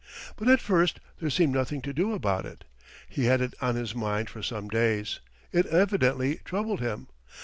But at first there seemed nothing to do about it. He had it on his mind for some days. It evidently troubled him.